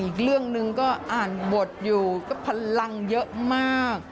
อีกเรื่องหนึ่งก็อ่านบทอยู่ก็พลังเยอะมาก